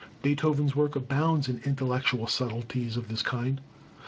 Beethoven's work abounds in intellectual subtleties of this kind.